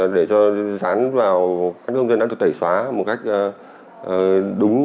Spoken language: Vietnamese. để thực hiện việc mở tài khoản ngân hàng